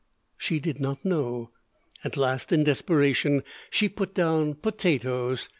She did not know. At last in desperation she put down "potatoes."